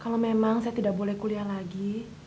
kalau memang saya tidak boleh kuliah lagi